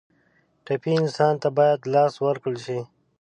ټپي انسان ته باید لاس ورکړل شي.